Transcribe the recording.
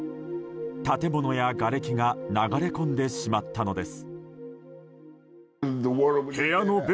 建物やがれきが流れ込んでしまったのです。